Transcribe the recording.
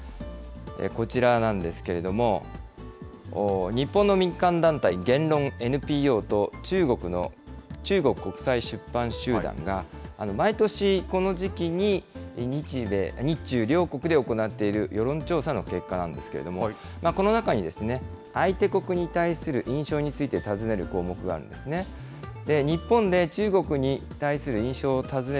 こちらなんですけれども、日本の民間団体、言論ＮＰＯと中国国際出版集団が、毎年この時期に日中両国で行っている世論調査の結果なんですけれども、この中にですね、相手国に対する印象について尋ねる項目があるんですね。